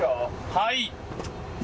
はい。